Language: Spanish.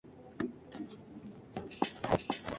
Las principales actividades son la agricultura y la ganadería.